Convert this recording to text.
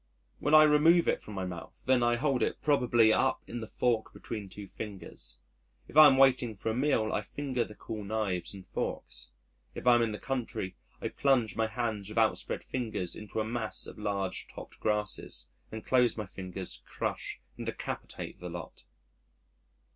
When I remove it from my mouth then I hold it probably up in the fork between two fingers. If I am waiting for a meal I finger the cool knives and forks. If I am in the country I plunge my hands with outspread fingers into a mass of large topped grasses, then close my fingers, crush and decapitate the lot.